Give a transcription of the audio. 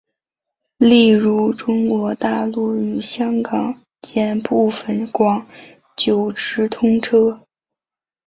例如中国大陆与香港间部分广九直通车。